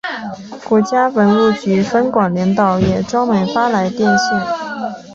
国家文物局分管领导也专门发来唁电。